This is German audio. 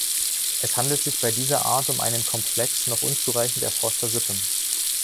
Es handelt sich bei dieser Art um einen Komplex noch unzureichend erforschter Sippen.